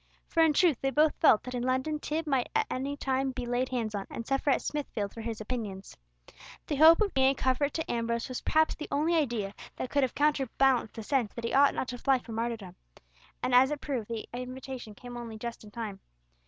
For in truth they both felt that in London Tib might at any time be laid hands on, and suffer at Smithfield for his opinions. The hope of being a comfort to Ambrose was perhaps the only idea that could have counterbalanced the sense that he ought not to fly from martyrdom; and as it proved, the invitation came only just in time.